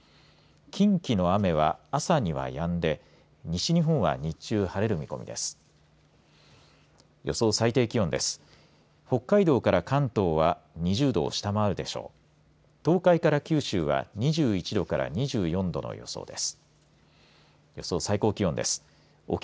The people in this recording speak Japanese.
近畿の雨は朝にはやんで、西日本は日中、晴れる見込みです。